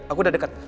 aku udah dekat